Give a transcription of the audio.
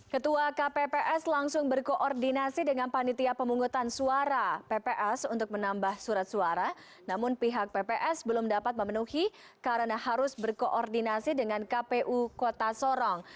ketua kpps langsung berkoordinasi dengan panitia pemungutan suara pps untuk menambah surat suara namun pihak pps belum dapat memenuhi karena harus berkoordinasi dengan kpu kota sorong